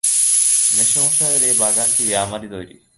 মেসোমশায়ের এ বাগানটি আমারই তৈরি ।